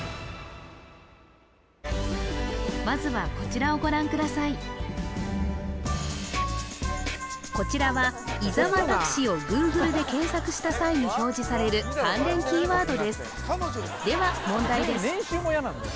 まずはこちらは伊沢拓司をＧｏｏｇｌｅで検索した際に表示される関連キーワードですでは問題です